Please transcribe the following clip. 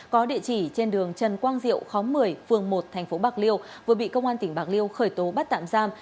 có địa chỉ trên đường trần quang diệu khóm một mươi phường một thành phố bạc liêu vừa bị công an tỉnh bạc liêu khởi tố bắt tạm giam